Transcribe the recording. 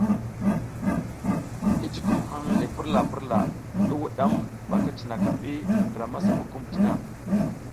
I jukum hang le purla purla i wudam ba ki cinaka bi ndra masa bukumdina.